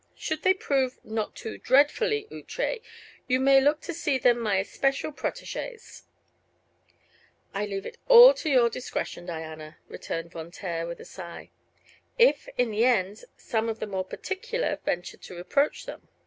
Should they prove not too dreadfully outré you may look to see them my especial protégés." "I leave all to your discretion, Diana," returned Von Taer, with a sigh. "If, in the end, some of the more particular venture to reproach them."